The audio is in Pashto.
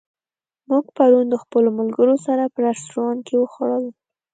موږ پرون د خپلو ملګرو سره په رستورانت کې وخوړل.